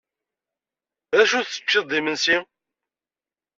D acu teččiḍ d imensi?